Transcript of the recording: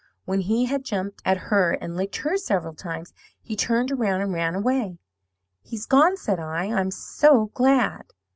When he had jumped at her, and licked her several times, he turned around and ran away. "'He's gone,' said I; 'I'm so glad.'